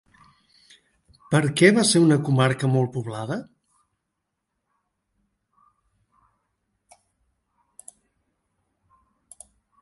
Per què va ser una comarca molt poblada?